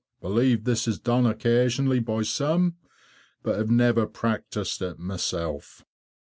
Believe this is done occasionally by some, but have never practised it myself.